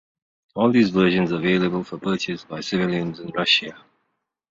All these versions are available for purchase by civilians in Russia.